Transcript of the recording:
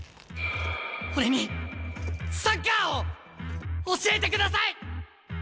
俺にサッカーを教えてください！